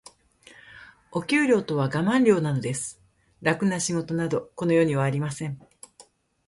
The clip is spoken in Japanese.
お給料とはガマン料なのです。楽な仕事など、この世にはありません。